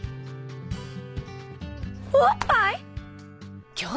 おっぱい